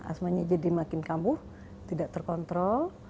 asmanya jadi makin kambuh tidak terkontrol